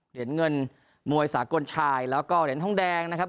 เหรียญเงินมวยสากลชายแล้วก็เหรียญทองแดงนะครับ